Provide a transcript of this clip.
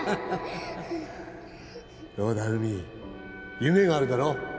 どうだ海夢があるだろ